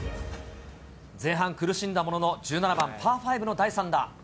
前半、苦しんだものの、１７番パーファイブの第３打。